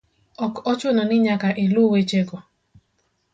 Ok ochuno ni nyaka iluw wechego